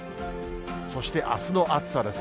そしてあすの暑さです。